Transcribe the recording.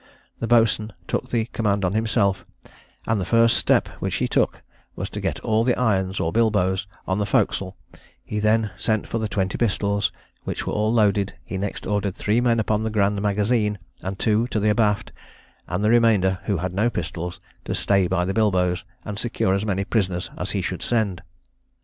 The boatswain took the command on himself, and the first step which he took was to get up all the irons or bilboes on the forecastle; he then sent for the twenty pistols, which were all loaded; he next ordered three men upon the grand magazine, and two to that abaft; and the remainder, who had no pistols, to stay by the bilboes, and secure as many prisoners as he should send.